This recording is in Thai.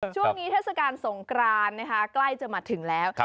เทศกาลสงกรานนะคะใกล้จะมาถึงแล้ว